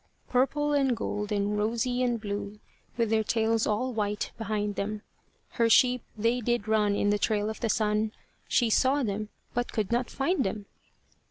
Purple and gold, and rosy and blue, With their tails all white behind them, Her sheep they did run in the trail of the sun; She saw them, but could not find them.